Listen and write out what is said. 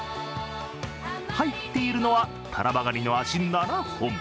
入っているのは、たらばがにの脚７本。